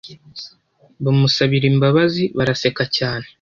bamusabira imbabazi baraseka cyane